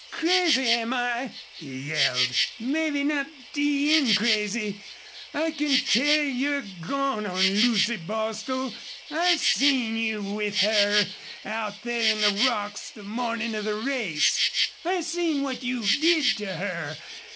"Crazy, am I?" he yelled. "Mebbe not d n crazy! I kin tell you're gone on Lucy Bostil! I seen you with her out there in the rocks the mornin' of the race. I seen what you did to her.